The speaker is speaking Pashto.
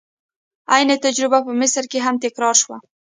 عین تجربه په مصر کې هم تکرار شوه.